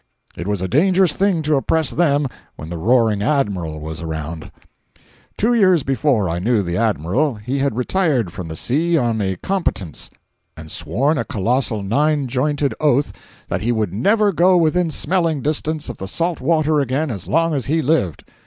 It was a dangerous thing to oppress them when the roaring Admiral was around. Two years before I knew the Admiral, he had retired from the sea on a competence, and had sworn a colossal nine jointed oath that he would "never go within smelling distance of the salt water again as long as he lived."